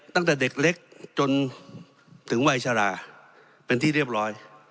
ตั้งแต่เด็กเล็กจนถึงวัยชราเป็นที่เรียบร้อย